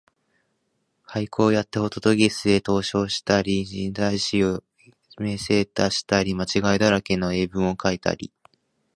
俳句をやってほととぎすへ投書をしたり、新体詩を明星へ出したり、間違いだらけの英文をかいたり、